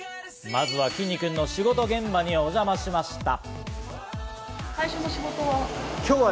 まずは、きんに君の仕事現場にお邪魔しました。